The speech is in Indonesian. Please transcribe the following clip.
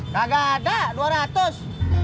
nggak ada dua ratus